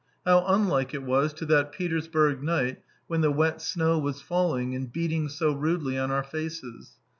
How unlike it was to that Petersburg night when the wet snow was falling and beating so rudely on our faces.